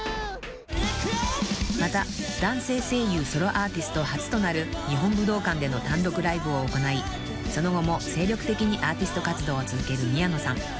［また男性声優ソロアーティスト初となる日本武道館での単独ライブを行いその後も精力的にアーティスト活動を続ける宮野さん］